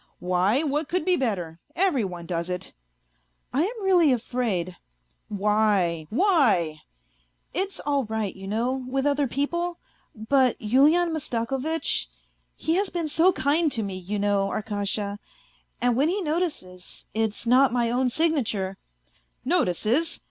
" Why, what could be better ? Everyone does it." " I am really afraid." 176 A FAINT HEART " Why, why ?"" It's all right, you know, with other people, but Yulian Mastakovitch ... he has been so kind to me, you know, Ar kasha, and when he notices it's not my own signature " Notices